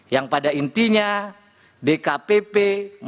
yang pada intinya dkpp tidak memiliki kepentingan